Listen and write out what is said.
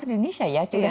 cukup tinggi ya